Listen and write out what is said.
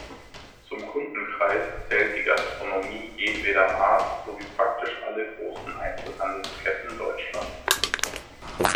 Zum Kundenkreis zählt die Gastronomie jedweder Art sowie praktisch alle großen Einzelhandelsketten Deutschlands.